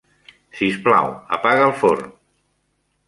Sisplau, apaga el forn.